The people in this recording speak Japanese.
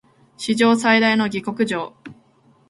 史上最大の下剋上